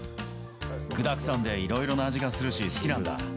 具だくさんでいろいろな味がするし、好きなんだ。